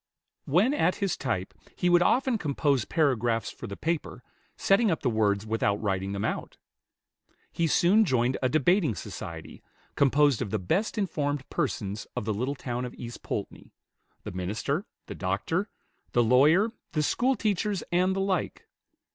When at his type, he would often compose paragraphs for the paper, setting up the words without writing them out. He soon joined a debating society, composed of the best informed persons of the little town of East Poultney, the minister, the doctor, the lawyer, the schoolteachers, and the like.